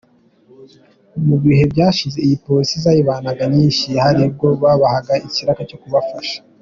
Mu bihe byashize iyo polisi zayibanaga nyinshi hari ubwo babahaga ikiraka cyo kubafasha.